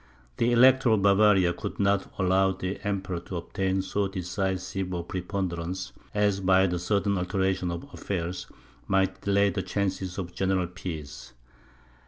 The Elector of Bavaria could not allow the Emperor to obtain so decisive a preponderance as, by the sudden alteration of affairs, might delay the chances of a general peace.